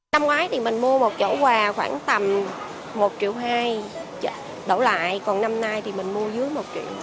năm ngoái thì mình mua một giỏ quà khoảng tầm một triệu hai đổ lại còn năm nay thì mình mua dưới một triệu